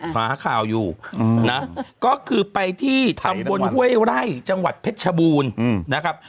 หาข่าวอยู่นะก็คือไปที่ตำบลห้วยไร่จังหวัดเพชรชบูรณ์นะครับ